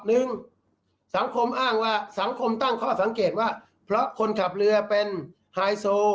หนึ่งสังคมอ้างว่าสังคมตั้งข้อสังเกตว่าเพราะคนขับเรือเป็นไฮโซ